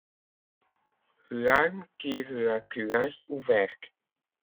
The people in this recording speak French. L'arme tire la culasse ouverte.